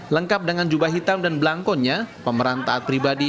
lengkap dengan jubah hitam dan belangkonnya pemeran taat pribadi